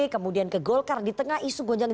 kemudian ke golkar di tengah isu gonjang